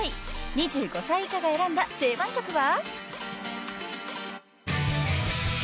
［２５歳以下が選んだ定番曲は？］